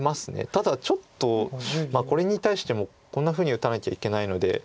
ただちょっとこれに対してもこんなふうに打たなきゃいけないので。